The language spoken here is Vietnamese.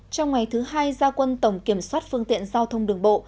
trong ngày thứ hai gia quân tổng kiểm soát phương tiện giao thông đường bộ